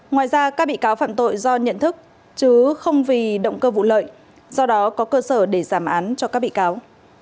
ngoài ra các bị cáo phạm tội do nhận thức chứ không vì động cơ vụ lợi do đó có cơ sở để giảm án cho các bị cáo